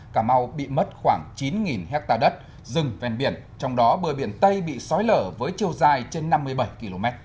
cà mau bị mất khoảng chín hectare đất rừng ven biển trong đó bờ biển tây bị sói lở với chiều dài trên năm mươi bảy km